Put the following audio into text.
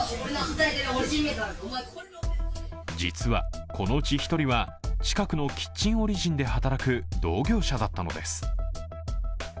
実はこのうち１人は近くのキッチンオリジンで働く同業者だったのです。